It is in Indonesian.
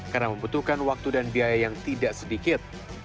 karena membutuhkan waktu dan biaya yang tidak sedikit